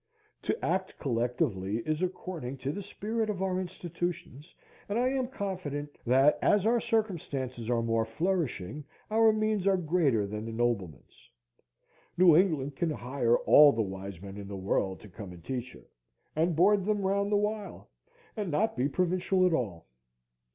To act collectively is according to the spirit of our institutions; and I am confident that, as our circumstances are more flourishing, our means are greater than the nobleman's. New England can hire all the wise men in the world to come and teach her, and board them round the while, and not be provincial at all.